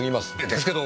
ですけど。